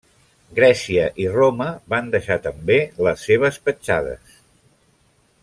Grècia i Roma van deixar també les seves petjades.